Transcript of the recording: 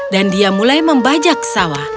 dan dia mulai membajak sawah